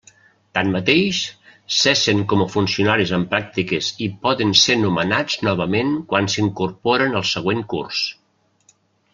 Tanmateix, cessen com a funcionaris en pràctiques i poden ser nomenats novament quan s'incorporen al següent curs.